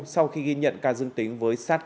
sau khi ghi nhận ca dương tính với sars cov hai